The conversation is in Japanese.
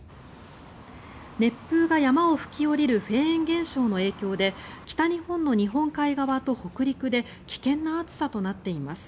熱風が山を吹き下りるフェーン現象の影響で北日本の日本海側と北陸で危険な暑さとなっています。